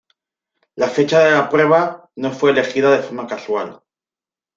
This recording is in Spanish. La fecha de la prueba no fue elegida de forma casual.